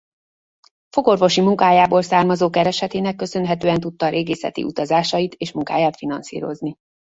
Fogorvosi munkájából származó keresetének köszönhetően tudta régészeti utazásait és munkáját finanszírozni.